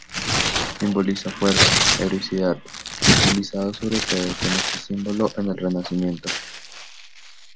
Simboliza fuerza, heroicidad; utilizado sobre todo con este simbolismo en el Renacimiento.